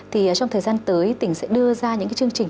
thì trong thời gian tới tỉnh sẽ đưa ra những cái chương trình